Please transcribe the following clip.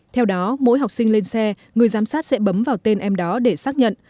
thì giám sát sẽ bấm vào tên em đó để xác nhận